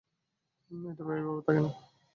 এটা এভাবে থাকে না।